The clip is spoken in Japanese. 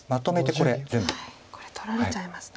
これ取られちゃいますね。